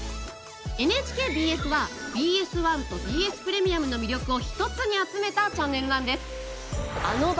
ＮＨＫＢＳはＢＳ１とＢＳプレミアムの魅力を一つに集めたチャンネルなんです。